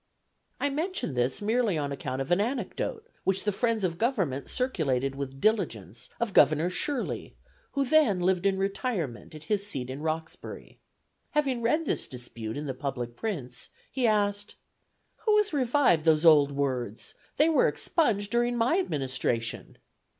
I mention this merely on account of an anecdote, which the friends of government circulated with diligence, of Governor Shirley, who then lived in retirement at his seat in Roxbury. Having read this dispute, in the public prints, he asked, 'Who has revived those old words? They were expunged during my administration.'